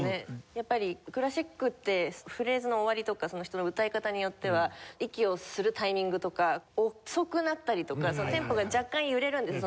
やっぱりクラシックってフレーズの終わりとかその人の歌い方によっては息をするタイミングとか遅くなったりとかテンポが若干揺れるんです歌の中で。